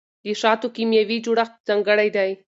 د شاتو کیمیاوي جوړښت ځانګړی دی.